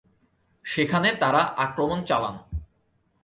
সেখানে তারা আক্রমণ চালান।